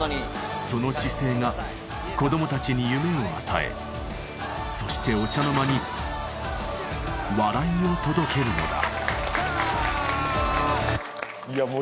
その姿勢が子供たちに夢を与えそしてお茶の間に笑いを届けるのだしゃ！